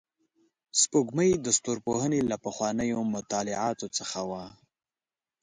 سپوږمۍ د ستورپوهنې له پخوانیو مطالعاتو څخه وه